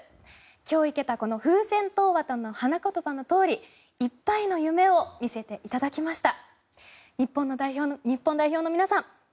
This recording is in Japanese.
今日いけたフウセントウワタの花言葉のとおりいっぱいの夢を見せていただきました。